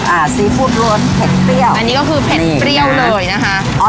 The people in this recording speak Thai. อันนี้ก็คือเผ็ดเปรี้ยวเลยนะคะ